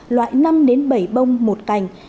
loại năm đến bảy bông một cành